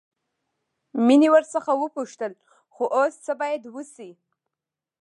مينې ورڅخه وپوښتل خو اوس څه بايد وشي.